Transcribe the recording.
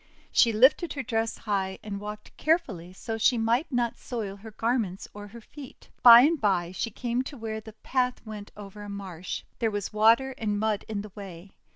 She lifted her dress high, and walked carefully so that she might not soil her garments or her feet. By and by she came to where the path went over a marsh. There was water and mud in the way.